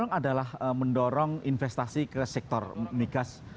yang harus kita lakukan adalah mendorong investasi ke sektor migas